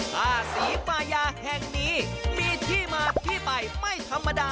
ท่าศรีปายาแห่งนี้มีที่มาที่ไปไม่ธรรมดา